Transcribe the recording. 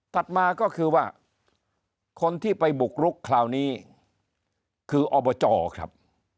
มาก็คือว่าคนที่ไปบุกรุกคราวนี้คืออบจครับ